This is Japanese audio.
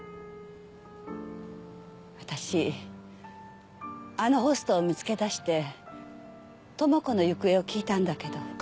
私あのホストを見つけ出して智子の行方を聞いたんだけど。